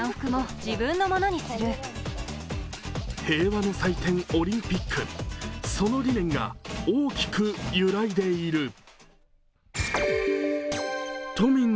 平和の祭典オリンピック、その理念が大きく揺らいでいる。